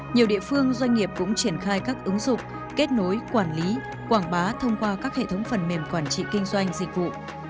nhiều địa phương doanh nghiệp cũng triển khai các ứng dụng kết nối quản lý quảng bá thông qua các hệ thống phần mềm quản trị kinh doanh dịch vụ